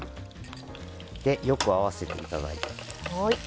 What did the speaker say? よく合わせていただいて。